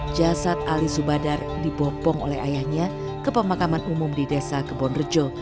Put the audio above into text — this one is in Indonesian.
jasad ali subadar dibopong oleh ayahnya ke pemakaman umum di desa kebon rejo